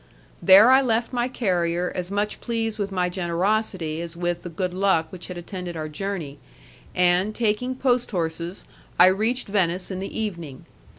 There I left my carrier as much pleased with my generosity as with the good luck which had attended our journey, and, taking post horses, I reached Venice in the evening.